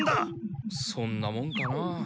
そんなもんかなあ。